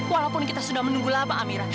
walaupun kita sudah menunggu laba amira